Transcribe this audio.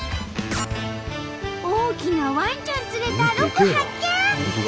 大きなワンちゃん連れたロコ発見！